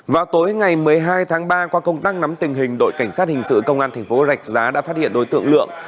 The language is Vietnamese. vào tối ngày một mươi hai tháng ba qua công đăng nắm tình hình đội cảnh sát hình sự công an thành phố rạch giá đã phát hiện đối tượng lượng